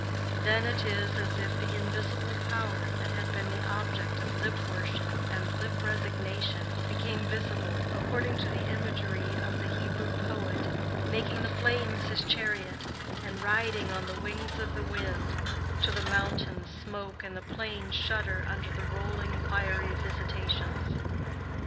Then it is as if the Invisible Power that had been the object of lip worship and lip resignation became visible, according to the imagery of the Hebrew poet, making the flames his chariot, and riding on the wings of the wind, till the mountains smoke and the plains shudder under the rolling fiery visitations.